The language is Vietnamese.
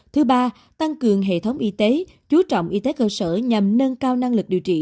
thứ ba tăng cường hệ thống y tế chú trọng y tế cơ sở nhằm nâng cao năng lực điều trị